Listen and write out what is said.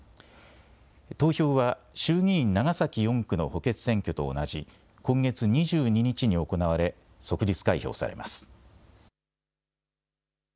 投票は衆議院長崎４区の補欠選挙と同じ今月２２日に行われ即日開票されます。